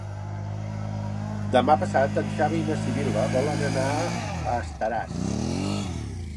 Demà passat en Xavi i na Sibil·la volen anar a Estaràs.